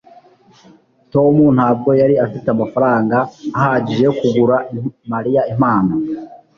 Tom ntabwo yari afite amafaranga ahagije yo kugura Mariya impano.